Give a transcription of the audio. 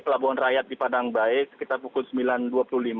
pelabuhan rakyat di padang baik sekitar pukul sembilan dua puluh lima